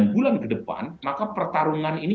enam bulan ke depan maka pertarungan ini